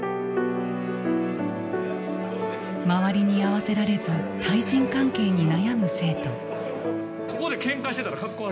周りに合わせられず対人関係に悩む生徒。